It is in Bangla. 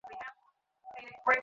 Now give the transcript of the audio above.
দল ভালো না হলে আমার পার্টও জমবে কেন?